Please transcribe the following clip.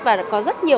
và có rất nhiều